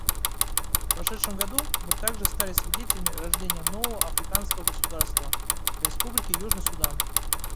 В прошедшем году мы также стали свидетелями рождения нового африканского государства — Республики Южный Судан.